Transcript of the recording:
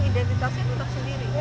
identitasnya tetap sendiri